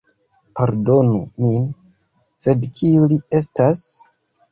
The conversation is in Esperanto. Pardonu min, sed kiu li estas?